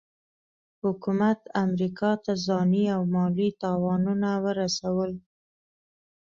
حکومت امریکا ته ځاني او مالي تاوانونه ورسول.